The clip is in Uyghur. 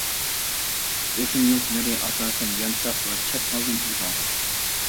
ئۆسۈملۈكلىرى ئاساسەن يانتاق ۋە چاتقالدىن ئىبارەت.